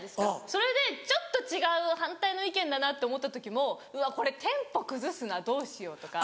それでちょっと違う反対の意見だなって思った時もうわこれテンポ崩すなどうしようとか。